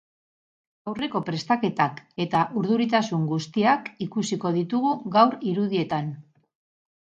Aurreko prestaketak eta urduritasun guztiak ikusiko ditugu gaur irudietan.